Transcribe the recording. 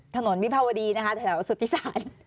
ถนนวิภาวดีแถวสุธิศาล